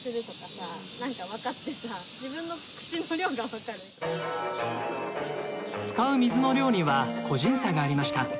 えっ⁉使う水の量には個人差がありました。